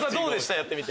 やってみて。